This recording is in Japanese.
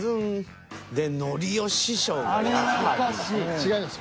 違います。